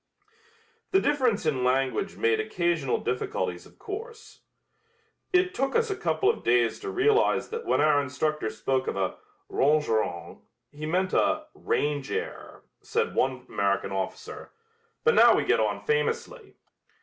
The difference in language made occasional difficulties of course. "It took us a couple of days to realize that when our instructor spoke of a 'rangerrang' he meant a 'range error,'" said one American officer, "but now we get on famously."